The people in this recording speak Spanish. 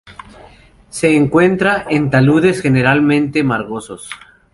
Se encuentra en taludes generalmente margosos.